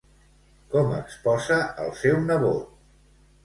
Com exposa al seu nebot?